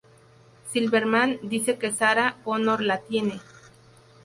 Silberman dice que Sarah Connor la tiene.